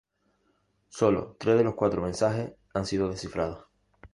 Sólo tres de los cuatro mensajes han sido descifrados.